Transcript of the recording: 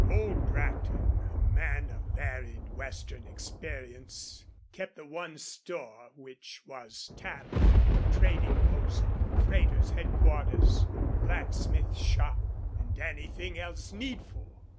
Old Brackton, a man of varied Western experience, kept the one store, which was tavern, trading post, freighter's headquarters, blacksmith's shop, and any thing else needful.